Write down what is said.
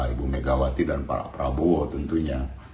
ibu megawati dan pak prabowo tentunya